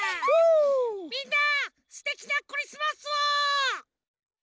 みんなすてきなクリスマスを！